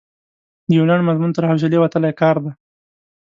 د یو لنډ مضمون تر حوصلې وتلی کار دی.